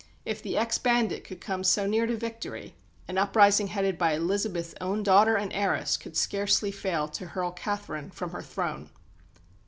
If the ex bandit could come so near to victory, an uprising headed by Elizabeth's own daughter and heiress could scarcely fail to hurl Catherine from her throne.